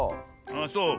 あっそう。